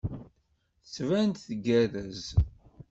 Tettban-d tgerrez.